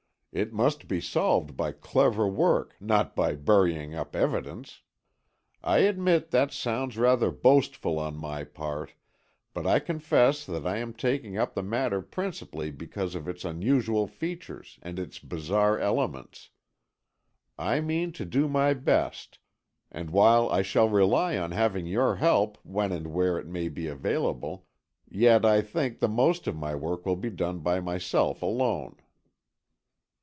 "It must be solved by clever work, not by buying up evidence. I admit that sounds rather boastful on my part, but I confess that I am taking up the matter principally because of its unusual features and its bizarre elements. I mean to do my best, and while I shall rely on having your help when and where it may be available, yet I think the most of my work will be done by myself alone."